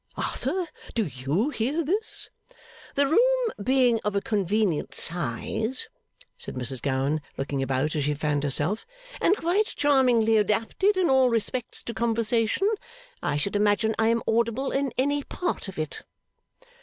Arthur! Do you hear this!' 'The room being of a convenient size,' said Mrs Gowan, looking about as she fanned herself, 'and quite charmingly adapted in all respects to conversation, I should imagine I am audible in any part of it.